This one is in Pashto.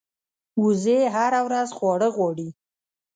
وزې هره ورځ خواړه غواړي